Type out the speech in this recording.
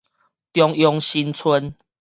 中央新村